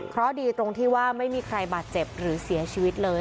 เพราะดีตรงที่ว่าไม่มีใครบาดเจ็บหรือเสียชีวิตเลย